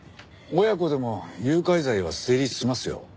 親子でも誘拐罪は成立しますよ。